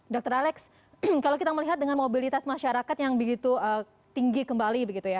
dr alex kalau kita melihat dengan mobilitas masyarakat yang begitu tinggi kembali begitu ya